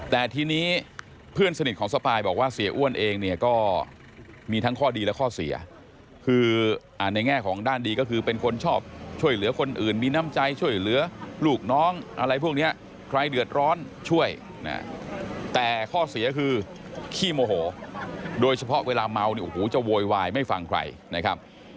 แต่ทีนี้เพื่อนสนิทของสปายบอกว่าเสียอ้วนเองเนี่ยก็มีทั้งข้อดีและข้อเสียคือในแง่ของด้านดีก็คือเป็นคนชอบช่วยเหลือคนอื่นมีน้ำใจช่วยเหลือลูกน้องอะไรพวกนี้ใครเดือดร้อนช่วยแต่ข้อเสียคือขี้โมโหโดยเฉพาะเวลาเมาเนี่ยโอ้โหจะโวยวายไม่ฟังใครนะครับ